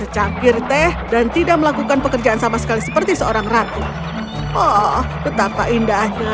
cangkir teh dan tidak melakukan pekerjaan sama sekali seperti seorang ratu oh betapa indahnya